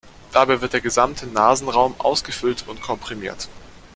Dabei wird der gesamte Nasenraum ausgefüllt und komprimiert.